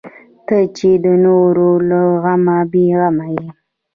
ته چې د نورو له غمه بې غمه یې.